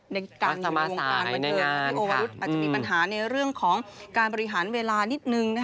ในการมาวงการบันเทิงพี่โอวรุธอาจจะมีปัญหาในเรื่องของการบริหารเวลานิดนึง